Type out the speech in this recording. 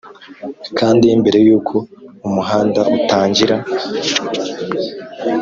kandi mbere yuko umuhanda utangira,